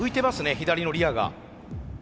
左のリアが。